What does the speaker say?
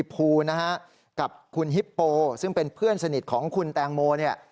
เพื่อนสนิทของคุณแตงโมเนี่ย